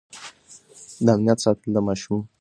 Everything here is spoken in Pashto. د امنیت ساتل د ماشومانو د پلار دنده ده.